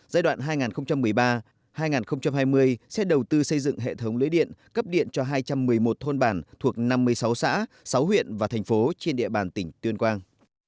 giai đoạn hai nghìn một mươi ba hai nghìn hai mươi sẽ đầu tư xây dựng hệ thống lưới điện cấp điện cho hai trăm một mươi một thôn bản thuộc năm mươi sáu xã sáu huyện và thành phố trên địa bàn tỉnh tuyên quang